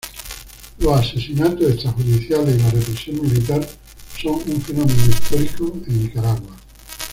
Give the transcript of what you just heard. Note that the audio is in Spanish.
Los asesinatos extrajudiciales y la represión militar son un fenómeno histórico en Nicaragua.